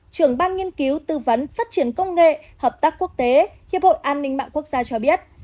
trưởng ban nghiên cứu tư vấn phát triển công nghệ hợp tác quốc tế hiệp hội an ninh mạng quốc gia cho biết